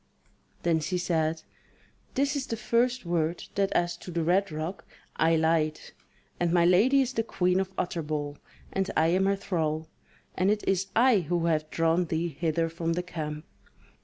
Then she said: "This is the first word, that as to the Red Rock, I lied; and my lady is the Queen of Utterbol, and I am her thrall, and it is I who have drawn thee hither from the camp."